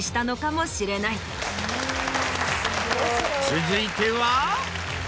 続いては。